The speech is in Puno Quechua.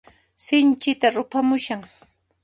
Sinchita ruphamushan.